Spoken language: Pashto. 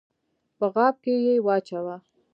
په غاب کي یې واچوه !